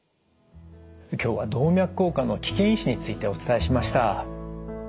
今日は動脈硬化の危険因子についてお伝えしました。